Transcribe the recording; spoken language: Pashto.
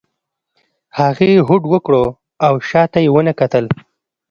هغې هوډ وکړ او شا ته یې ونه کتل.